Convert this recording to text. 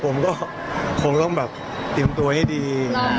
ผมก็คงต้องแบบเตรียมตัวให้ดี